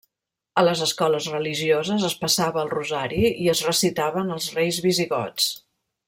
A les escoles religioses es passava el rosari i es recitaven els reis visigots.